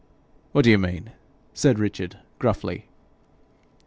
'What do you mean?' said Richard gruffly.